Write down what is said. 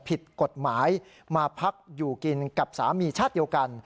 ผิดกฎหมายมาพักอยู่กินกับสามีชาติเดียวกัน